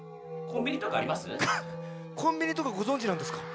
コンビニとかごぞんじなんですか？